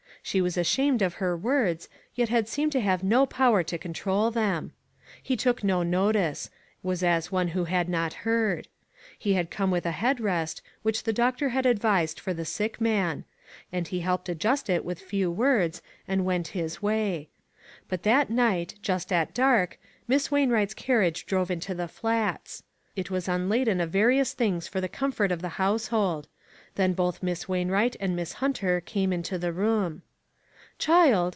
She was ashamed of her words, yet had seemed to have no power to control them. He took no notice — was as one who had not heard. He had come with a head rest, which the doctor had advised for the sick man; and he helped adjust it with few words, and went his way. But that night, just at dark, Miss Wainwright's carriage drove into the Flats. It was unladen of various things for the comfort of the household ; then both Miss Wainwright and Miss Hunter came into the room.